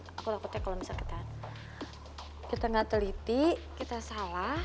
aku takutnya kalau misalnya kita gak teliti kita salah